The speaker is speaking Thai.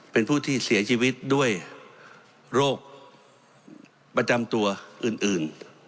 เป็นผู้ที่เสียชีวิตด้วยโรคประจำตัวอื่น